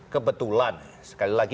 kebetulan sekali lagi